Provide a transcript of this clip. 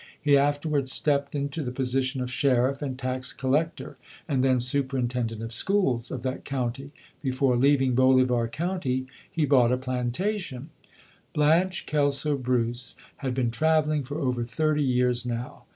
He afterwards stepped into the position of Sheriff and Tax Collector, and then Superintend ent of Schools of that county. Before leaving Bolivar County, he bought a plantation. Blanche Kelso Bruce had been traveling for over thirty years now.